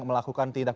terima kasih pak